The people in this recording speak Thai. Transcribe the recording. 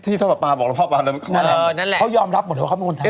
ที่ท่อปปาร์บอกแล้วพ่อปาร์เออนั่นแหละเขายอมรับหมดเลยว่าเขาเป็นคนทำ